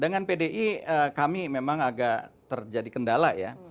dengan pdi kami memang agak terjadi kendala ya